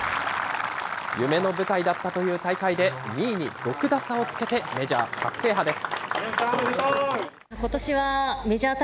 夢の舞台だったという大会で、２位に６打差をつけてメジャー初制覇です。